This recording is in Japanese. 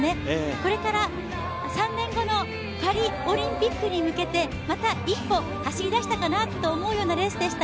これから３年後のパリオリンピックに向けてまた一歩走りだしたかなと思うようなレースでした。